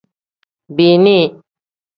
Bini.